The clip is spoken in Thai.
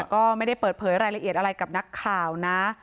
ก็ไม่ได้เปิดเผยรายละเอียดอะไรกับนักข่าวนะ